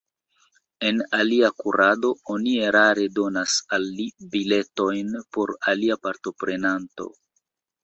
En alia kurado, oni erare donas al li biletojn por alia partoprenanto.